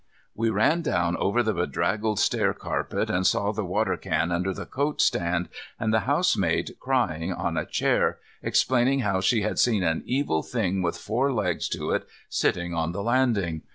We ran down over the bedraggled stair carpet and saw the water can under the coat stand, and the housemaid crying on a chair, explaining how she had seen an evil thing with four legs to it sitting on the landing.